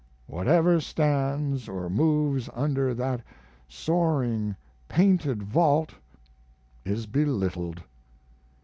Whatever stands or moves under that soaring painted vault is belittled.